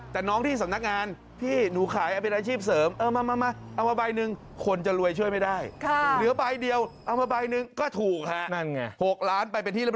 บอล์ชมิดบอกหนูยังคิดไม่ออกนะ๖ล้านเนี่ยหนูจะใช้อะไรดี